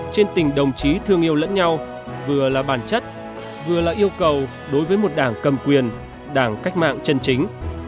trên tình đồng chí thương yêu lẫn nhau vừa là bản chất vừa là yêu cầu đối với một đảng cầm quyền đảng cách mạng chân chính